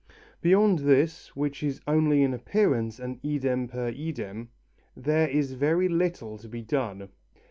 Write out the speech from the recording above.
Beyond this, which is only in appearance an idem per idem, there is very little to be done.